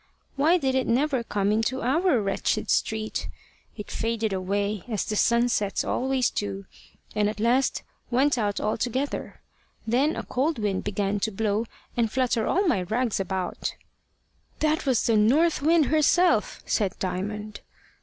Why did it never come into our wretched street? It faded away, as the sunsets always do, and at last went out altogether. Then a cold wind began to blow, and flutter all my rags about " "That was North Wind herself," said Diamond.